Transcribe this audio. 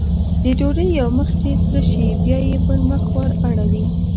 د ډوډۍ یو مخ چې سره شي بیا یې بل مخ ور اړوي.